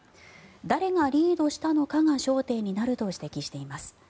誰がリードしたのかが焦点になると指摘しています。